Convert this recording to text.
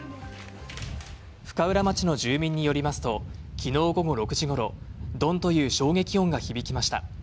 深浦町の住民によりますと昨日午後６時頃、ドンという衝撃音が響きました。